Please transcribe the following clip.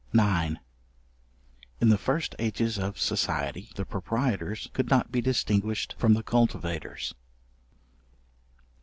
§9. In the first ages of society, the proprietors could not be distinguished from the cultivators.